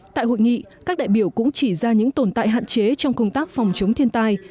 tại hội nghị các đại biểu cũng chỉ ra những tồn tại hạn chế trong công tác phòng chống thiên tai